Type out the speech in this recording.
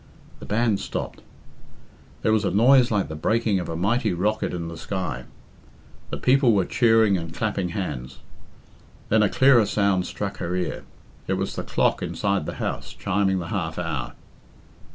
The band stopped. There was a noise like the breaking of a mighty rocket in the sky. The people were cheering and clapping hands. Then a clearer sound struck her ear. It was the clock inside the house chiming the half hour.